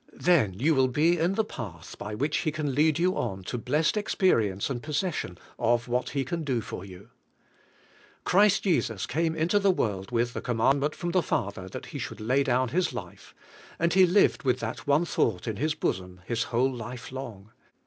Then you will be in the path by which He can lead you on to blessed experience and possession of what He can do for you. Christ Jesus came into the world with a commandment from the Father that He should lay down His life, and He lived with that one thought in His bosom His 80 CHRIST OUR LIFE whole life long.